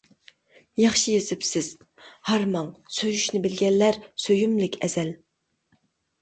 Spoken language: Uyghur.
ياخشى يېزىپسىز. ھارماڭ سۆيۈشنى بىلگەنلەر سۆيۈملۈك ئەزەل.